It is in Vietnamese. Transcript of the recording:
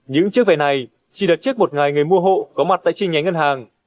những chiếc vé này chỉ đặt trước một ngày người mua hộ có mặt tại chi nhánh ngân hàng